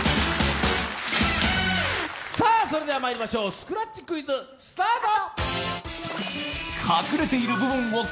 それではまいりましょうスクラッチクイズスタート。